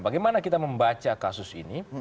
bagaimana kita membaca kasus ini